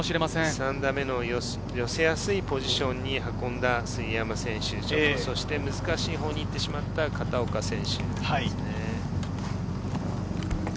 ３打目の寄せやすいポジションに運んだ杉山選手に難しいほうに行ってしまった片岡選手。